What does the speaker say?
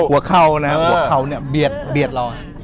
เข้านะครับหัวเข่าเนี่ยเบียดเรา